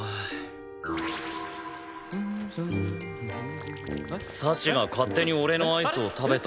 幸が勝手に俺のアイスを食べた事と。